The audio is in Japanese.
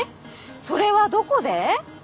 それはどこで？